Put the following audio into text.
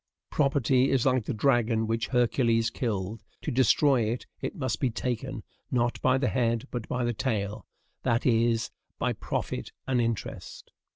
Property is like the dragon which Hercules killed: to destroy it, it must be taken, not by the head, but by the tail, that is, by profit and interest.